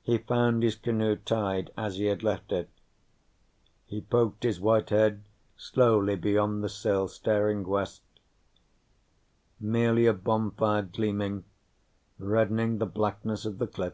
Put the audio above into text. He found his canoe tied as he had left it. He poked his white head slowly beyond the sill, staring west. Merely a bonfire gleaming, reddening the blackness of the cliff.